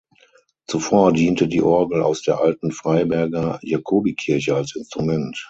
Zuvor diente die Orgel aus der alten Freiberger Jakobikirche als Instrument.